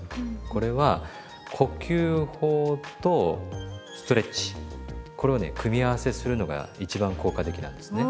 これは呼吸法とストレッチこれをね組み合わせするのが一番効果的なんですね。